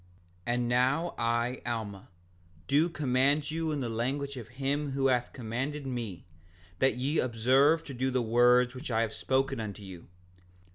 5:61 And now I, Alma, do command you in the language of him who hath commanded me, that ye observe to do the words which I have spoken unto you.